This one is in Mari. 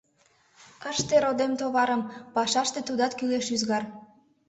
— Ыште, родем, товарым: пашаште тудат кӱлеш ӱзгар.